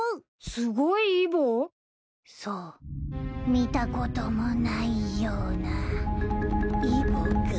見たこともないようなイボが。